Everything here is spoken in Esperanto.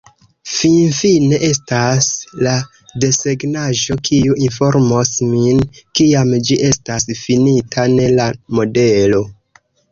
Finfine estas la desegnaĵo, kiu informos min, kiam ĝi estas finita, ne la modelo.